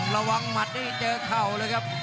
หมัดนี่เจอเข่าเลยครับ